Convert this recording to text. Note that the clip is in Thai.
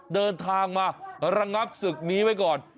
เดินทางมาระงับศึกนี้ไว้ก่อน